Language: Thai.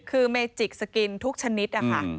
คือเมจิกสกินทุกชนิดนะคะ